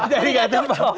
jadi gak cocok